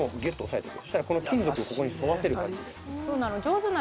そしたらこの金属をここに沿わせる感じで。